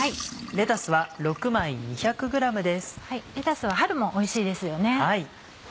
レタスは春もおいしいですよね。